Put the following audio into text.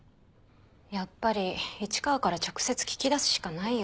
やっぱり市川から直接聞き出すしかないよ。